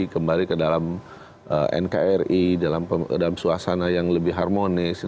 kembali ke dalam nkri dalam suasana yang lebih harmonis